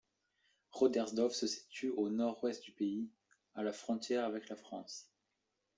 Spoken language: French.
Rodersdorf se situe au nord-ouest du pays, à la frontière avec la France.